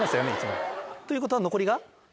１枚。ということは残りが？